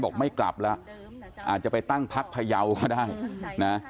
ไม่กลับแล้วอาจจะไปตั้งพักพยาวก็ได้นะ